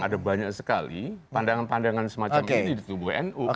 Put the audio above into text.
ada banyak sekali pandangan pandangan semacam ini di tubuh nu